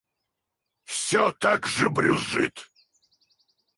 Все так же брюзжит.